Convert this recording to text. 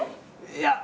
いや。